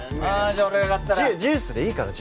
ジュースでいいから